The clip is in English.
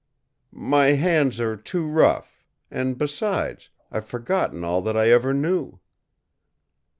"My hands are too rough; and besides, I've forgotten all that I ever knew."